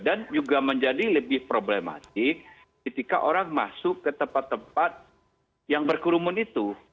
juga menjadi lebih problematik ketika orang masuk ke tempat tempat yang berkerumun itu